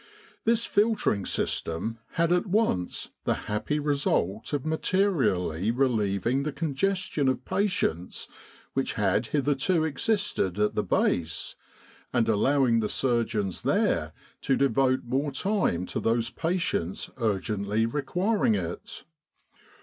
This filtering system had at once the happy result of materially relieving the congestion of patients which had hitherto existed at the Base, and allowing the surgeons there to devote more time to those patients urgently requiring it.